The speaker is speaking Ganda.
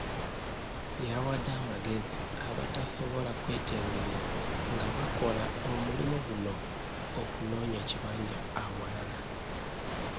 Yawadde amagezi abatasobola kwetengerera nga bakola omulimu guno okunoonya ekibanja awalala.